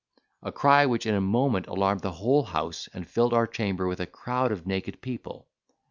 a cry which in a moment alarmed the whole house, and filled our chamber with a crowd of naked people.